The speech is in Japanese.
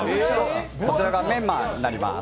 こちらがメンマになります。